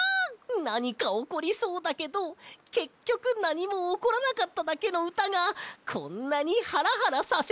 なにかおこりそうだけどけっきょくなにもおこらなかっただけのうたがこんなにハラハラさせるなんて！